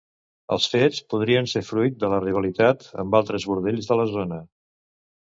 Els fets podrien ser fruit de la rivalitat amb altres bordells de la zona.